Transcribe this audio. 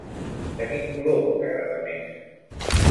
De quin color t'agrada més?